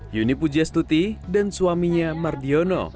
yuni pujastuti dan suaminya mardiono